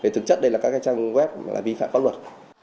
thực chất đây là các trang web vi phạm pháp luật